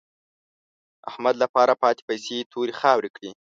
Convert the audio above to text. احمد له پاره پاتې پيسې تورې خاورې کړې.